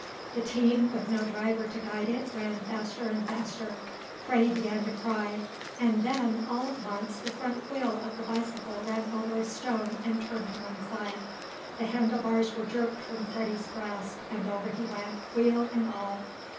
The team, with no driver to guide it, ran faster and faster. Freddie began to cry. And then, all at once, the front wheel of the bicycle ran over a stone, and turned to one side. The handle bars were jerked from Freddie's grasp, and over he went, wheel and all!